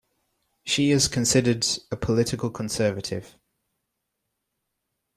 She is considered a political conservative.